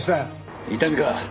伊丹か？